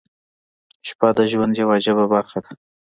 • شپه د ژوند یوه عجیبه برخه ده.